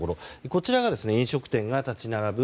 こちらが飲食店が立ち並ぶ